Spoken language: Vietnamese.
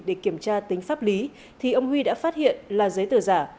để kiểm tra tính pháp lý thì ông huy đã phát hiện là giấy tờ giả